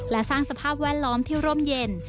และสร้างสภาพแวดล้อมที่ร่มเย็น